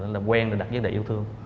là quen là đặt giá đại yêu thương